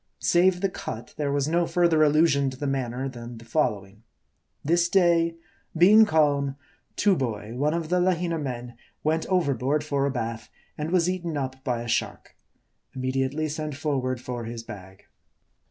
Save the cut, there was no further allusion to the MABDI. 115 matter than the following : "This day, being calm, Tooboi, one of the Lahina men, went overboard for a bath, and was eaten up by a shark. Immediately sent forward for his bag."